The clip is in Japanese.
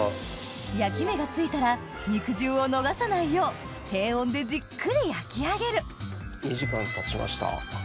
焼き目がついたら肉汁を逃さないよう低温でじっくり焼き上げる２時間たちました。